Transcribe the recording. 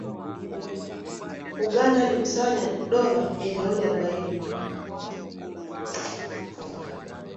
Uganda ilikusanya dola milioni harobaini